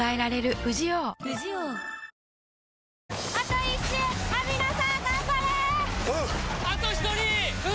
あと１人！